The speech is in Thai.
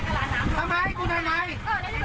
ทำไมกุน้ำไหม